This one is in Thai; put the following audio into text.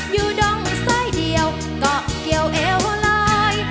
อยู่ดองซ้ายเดียวก็เกี่ยวเอวเลย